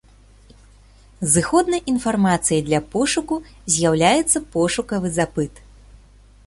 Зыходнай інфармацыяй для пошуку з'яўляецца пошукавы запыт.